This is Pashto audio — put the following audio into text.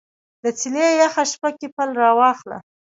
د څیلې یخه شپه کې پل راواخله